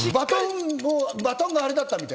バトンがあれだった。